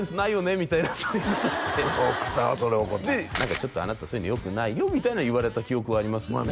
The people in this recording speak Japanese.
みたいなそういうこと言って「何かあなたそういうのよくないよ」みたいな言われた記憶はありますけどね